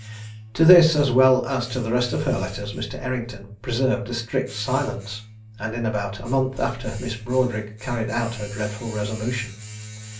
To this, as well as to the rest of her letters, Mr. Errington preserved a strict silence, and in about a month after Miss Broadric carried out her dreadful resolution.